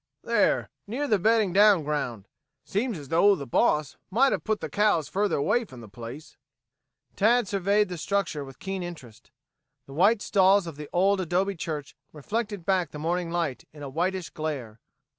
"There, near the bedding down ground. Seems as though the boss might have put the cows further away from the place." Tad surveyed the structure with keen interest. The white walls of the old adobe church reflected back the morning light in a whitish glare.